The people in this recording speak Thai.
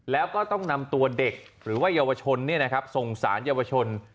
แล้วก็ต้องนำตัวเด็กหรือว่ายาวชนเนี่ยนะครับส่งสารยาวชน